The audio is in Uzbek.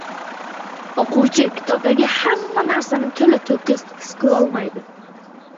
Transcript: O’quvchi kitobdagi hamma narsani to’la-to’kis his qilolmaydi.